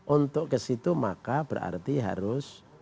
untuk ke situ maka berarti harus